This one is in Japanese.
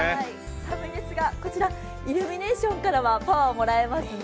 寒いですが、イルミネーションからはパワーをもらえますね。